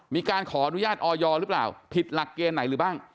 มีการขออนุญาตออยหรือเปล่าผิดหลักเกณฑ์ไหนหรือบ้าง